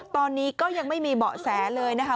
ตอนนี้ก็ยังไม่มีเบาะแสเลยนะคะ